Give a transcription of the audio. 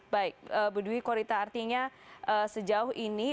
baik bu dwi korita artinya sejauh ini